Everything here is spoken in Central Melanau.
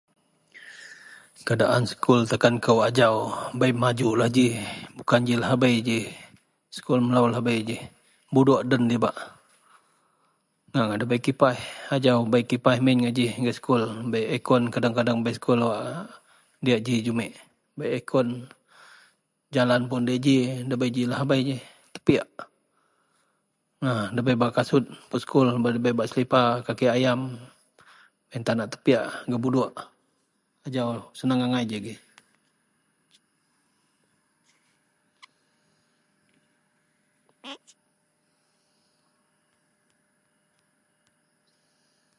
Keadaan sekul takan kou ajau bei majulah ji bukan ji lahabei ji sekul melo lahabei ji buduok den dibak ngak-ngak debei kipaih ajau bei kipaih min ngak ji sekul bei aircon kadeng-kadeng bei sekul wak diyak ji jumit bei aircon jalan puon diyak ji dabei ji lahabei tepik a debei pebak kasut debei pebak selipar kaki ayam iyen tanak tepik gak buduok ajau seneng angai ji.